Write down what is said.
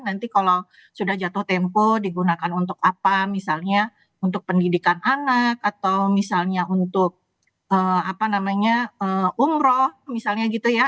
nanti kalau sudah jatuh tempo digunakan untuk apa misalnya untuk pendidikan anak atau misalnya untuk umroh misalnya gitu ya